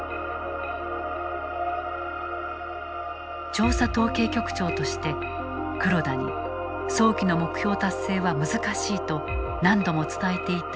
調査統計局長として黒田に早期の目標達成は難しいと何度も伝えていた前田。